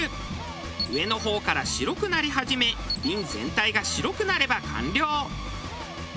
上の方から白くなり始め瓶全体が白くなれば完了。